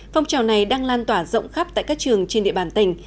phong trào này đang lan tỏa rộng khắp tại các trường trên địa bàn tỉnh